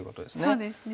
そうですね。